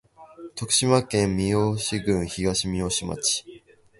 徳島県美馬郡東みよし町